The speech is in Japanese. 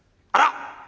あら！